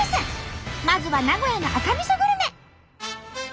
まずは名古屋の赤みそグルメ！